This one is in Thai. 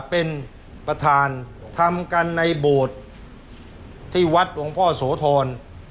เป็นประธานทำกันในโบสถ์ที่วัดหลวงพ่อโสธร